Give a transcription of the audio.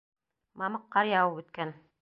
Мамыҡ ҡар яуып үткән.